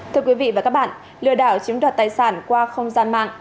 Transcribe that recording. thưa quý vị và các bạn lừa đảo chiếm đoạt tài sản qua không gian mạng